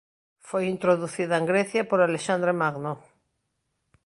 Foi introducida en Grecia por Alexandre Magno.